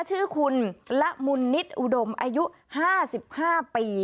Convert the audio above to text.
ชื่อคุณละมุนนิตอุดมอายุห้าสิบห้าปี